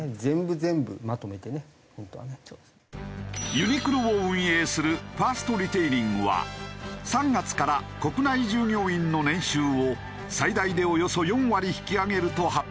ユニクロを運営するファーストリテイリングは３月から国内従業員の年収を最大でおよそ４割引き上げると発表。